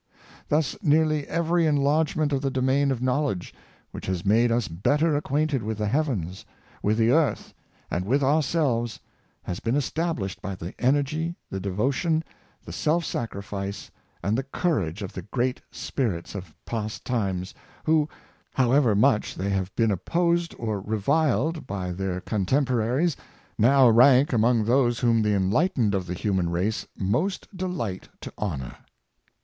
Thus nearly every enlargement of the domain of knowledge, which has made us better acquainted with the heavens, with the earth, and with ourselves, has been established by the energy, the devotion, the self sacrifice, and the courage of the great spirits of past times, who, however much they have been opposed or reviled by their contemporaries, now rank among those whom the enlightened of the human race most delight to honor.